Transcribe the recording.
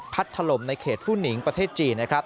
พัดถล่มในเขตฟู่หนิงประเทศจีน